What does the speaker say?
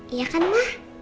iya kan mah